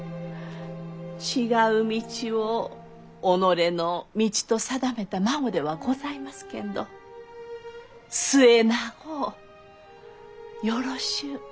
違う道を己の道と定めた孫ではございますけんど末永うよろしゅう